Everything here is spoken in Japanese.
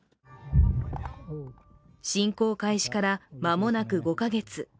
侵攻開始からまもなく５カ月。